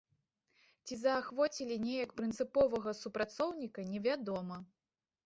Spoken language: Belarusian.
Ці заахвоцілі неяк прынцыповага супрацоўніка, не вядома.